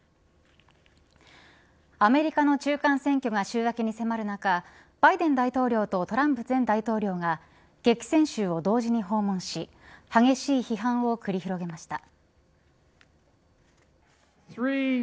アメリカの中間選挙が週明けに迫る中バイデン大統領とトランプ前大統領が激戦州を同時に訪問し激しい批判を繰り広げました。